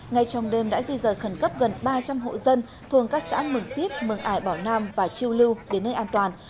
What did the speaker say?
ngay trong đêm đã di rời khẩn cấp gần ba trăm linh hộ dân thuồng các xã mường tiếp mường ải bảo nam và chiêu lưu đến nơi an toàn